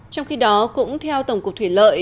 trong khi đó cũng theo tổng cục thủy lợi